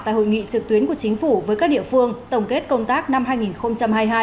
tại hội nghị trực tuyến của chính phủ với các địa phương tổng kết công tác năm hai nghìn hai mươi hai